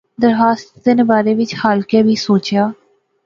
درخواست دتے نے بارے وچ خالقے وی سوچیا